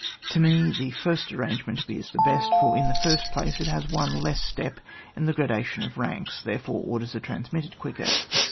To me, the first arrangement appears the best ; for, in the first place, it has one step less in the gradation of ranks, therefore orders are transmitted quicker, etc.